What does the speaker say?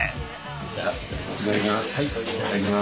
じゃあいただきます。